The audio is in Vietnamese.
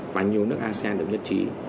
quá nhiều nước asean được nhất trì